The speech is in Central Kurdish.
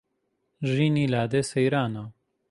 ژینی لادێ سەیرانە